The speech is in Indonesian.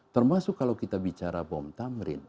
termasuk kalau kita bicara bom tamrin